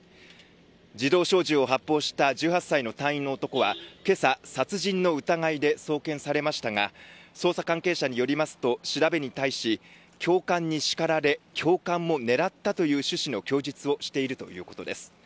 自動小銃を発砲した１８歳の隊員の男は今朝、殺人の疑いで送検されましたが捜査関係者によりますと調べに対し教官に叱られ教官を狙ったという趣旨の供述をしているということです。